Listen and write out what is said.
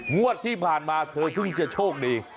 งวดที่ผ่านมาเธอเพิ่งจะโชคดี